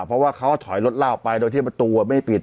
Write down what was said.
เพราะว่าเขาถอยรถลากออกไปโดยที่ประตูไม่ปิด